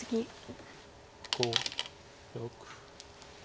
５６。